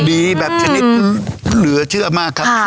ดีแบบชนิดเหลือเชื่อมากครับ